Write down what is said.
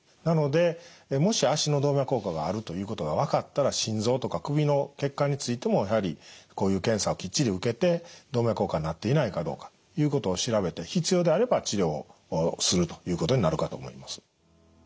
なのでもし脚の動脈硬化があるということが分かったら心臓とか首の血管についてもやはりこういう検査をきっちり受けて動脈硬化になっていないかどうかということを調べて必要であれば治療をするということになるかと思います。